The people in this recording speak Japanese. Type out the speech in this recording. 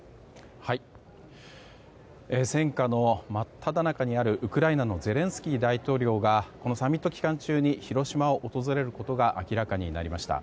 戦禍の真っただ中にあるウクライナのゼレンスキー大統領がこのサミット期間中に広島を訪れることが明らかになりました。